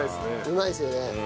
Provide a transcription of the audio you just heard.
うまいですよね。